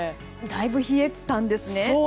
だいぶ冷えたんですね。